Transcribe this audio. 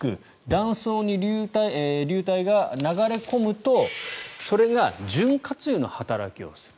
断層に流体が流れ込むとそれが潤滑油の働きをする。